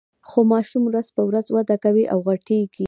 خو ماشوم ورځ په ورځ وده کوي او غټیږي.